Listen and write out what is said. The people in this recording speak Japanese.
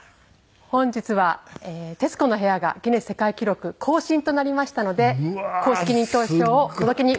本日は『徹子の部屋』がギネス世界記録更新となりましたので公式認定証をお届けにまいりました。